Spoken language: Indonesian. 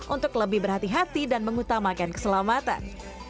untuk lebih berhati hati dan mengutamakan keselamatan